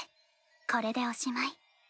これでおしまい。